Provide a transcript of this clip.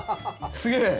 すげえ！